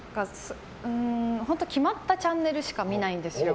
本当決まったチャンネルしか見ないんですよ。